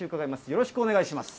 よろしくお願いします。